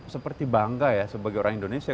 seperti bangga ya sebagai orang indonesia